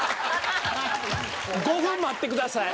「５分待ってください。